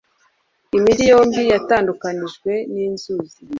Imijyi yombi yatandukanijwe ninzuzi.